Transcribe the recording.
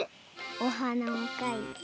おはなをかいて。